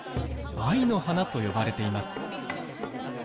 「藍の華」と呼ばれています。